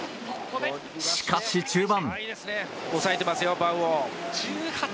しかし、中盤。